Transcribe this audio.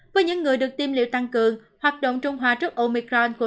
với những người được tiêm liệu tăng cường hoạt động trung hòa trước omicron của